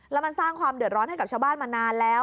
แล้วมันสร้างความเดือดร้อนให้กับชาวบ้านมานานแล้ว